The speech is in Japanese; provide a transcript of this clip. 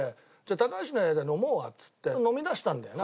高橋の部屋で飲もうっつって飲みだしたんだよな。